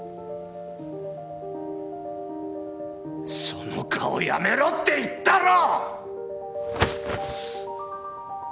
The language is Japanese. その顔やめろって言ったろ！